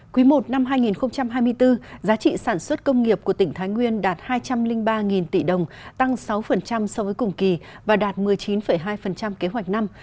quý i năm hai nghìn hai mươi bốn giá trị sản xuất công nghiệp của tỉnh thái nguyên đạt hai trăm linh ba tỷ đồng tăng sáu so với cùng kỳ và đạt một mươi chín hai kế hoạch năm